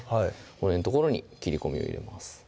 骨の所に切り込みを入れます